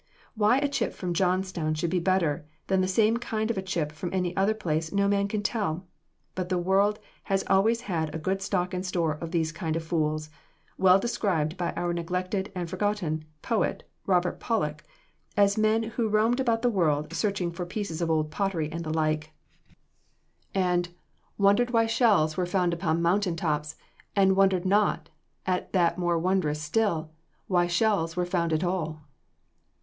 Why a chip from Johnstown should be better than the same kind of a chip from any other place, no man can tell. But the world has always had a good stock and store of this kind of fools, well described by our neglected and forgotten poet, Robert Pollok, as men who roamed about the world searching for pieces of old pottery and the like, and "Wondered why shells were found upon the mountain tops, And wondered not at that more wondrous still, Why shells were found at all."